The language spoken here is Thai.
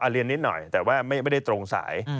เรียนนิดหน่อยแต่ว่าไม่ได้ตรงสาย